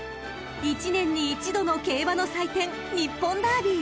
［一年に一度の競馬の祭典日本ダービー］